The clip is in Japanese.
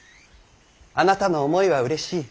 あなたの思いはうれしい。